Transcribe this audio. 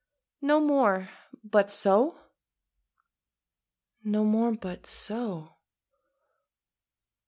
XIX. "NO MORE BUT SO?" No more but so?